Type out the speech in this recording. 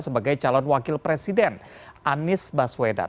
sebagai calon wakil presiden anies baswedan